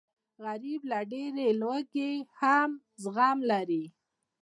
غریب له ډېرې لوږې هم زغم لري